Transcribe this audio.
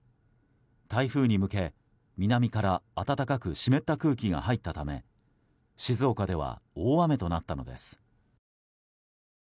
台風に向け、南から暖かく湿った空気が入ったため静岡では大雨となったのです。